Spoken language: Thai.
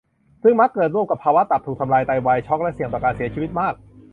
ซึ่งมักเกิดร่วมกับภาวะตับถูกทำลาย ไตวาย ช็อก และเสี่ยงต่อการเสียชีวิตมาก